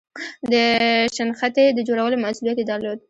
د شنختې د جوړولو مسئولیت یې درلود.